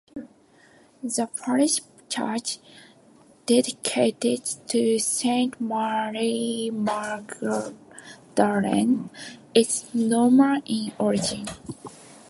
The parish church, dedicated to Saint Mary Magdalene, is Norman in origin.